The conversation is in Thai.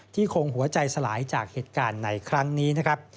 ที่คงหัวใจสลายจากเหตุการณ์ในครั้งนี้